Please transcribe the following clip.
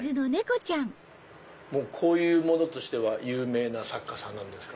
もうこういうものとしては有名な作家さんなんですか？